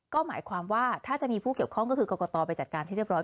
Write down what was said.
ก็หมายความว่าถ้าจะมีผู้เกี่ยวข้องก็คือกรกตไปจัดการให้เรียบร้อ